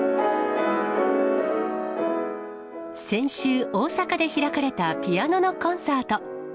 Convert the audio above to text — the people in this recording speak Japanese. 先週、大阪で開かれたピアノのコンサート。